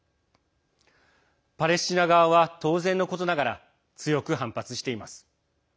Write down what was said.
パレスチナ側は当然のことながら強く反発しています。